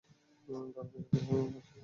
তারা বসতি স্থানান্তর করছিল।